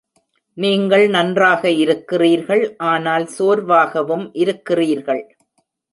நீங்கள் நன்றாக இருக்கிறீர்கள், ஆனால் சோர்வாகவும் இருக்கிறீர்கள்.